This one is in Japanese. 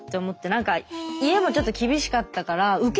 何か家もちょっと厳しかったから受けがいいんですよ